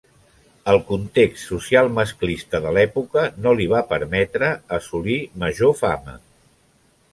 El context social masclista de l'època no li va permetre assolir major fama.